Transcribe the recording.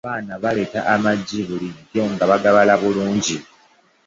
Abaana baleeta amagi bulijjo nga bagabala bulungi.